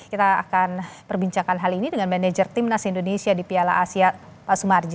kita akan perbincangkan hal ini dengan manajer timnas indonesia di piala asia pak sumarji